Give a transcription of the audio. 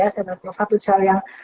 sel makrofag itu sel yang